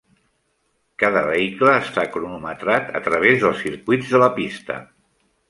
Cada vehicle està cronometrat a través dels circuits de la pista.